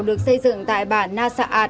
được xây dựng tại bản na saat